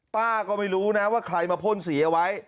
ป้าก็ไม่รู้นะว่าใครมาพ่นสีเอาไว้